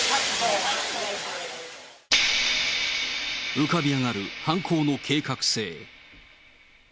浮かび上がる犯行の計画性。